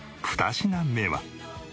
２品目は。